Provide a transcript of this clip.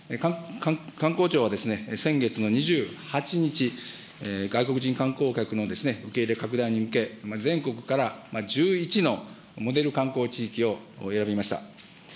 観光庁は先月の２８日、外国人観光客の受け入れ拡大に向け、全国から１１のモデル観光地域を選びました。